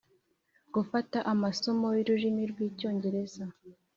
gufata amasomo y ururimi rw icyongereza